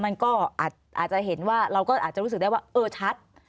มันก็อาจจะเห็นว่าเราก็อาจจะรู้สึกได้ว่าเออชัด